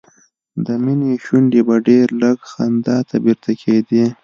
د مينې شونډې به ډېر لږ خندا ته بیرته کېدې